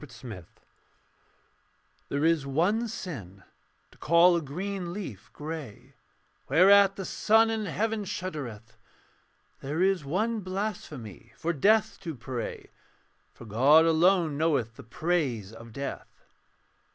ECCLESIASTES There is one sin: to call a green leaf grey, Whereat the sun in heaven shuddereth. There is one blasphemy: for death to pray, For God alone knoweth the praise of death.